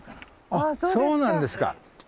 あっそうなんですか。